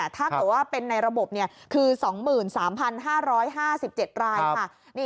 ถ้าเกิดว่าเป็นในระบบคือ๒๓๕๕๗รายค่ะ